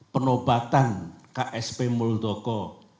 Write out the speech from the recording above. penobatan ksp muldoko